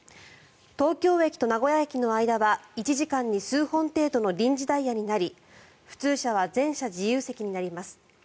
東京駅と名古屋駅の間は１時間に数本程度の臨時ダイヤになり普通車は全車自由席になります。